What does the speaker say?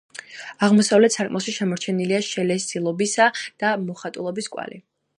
აღმოსავლეთ სარკმელში შემორჩენილია შელესილობისა და მოხატულობის კვალი.